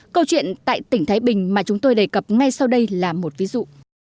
câu chuyện tại tỉnh thái bình mà chúng tôi đề cập ngay sau đây là một ví dụ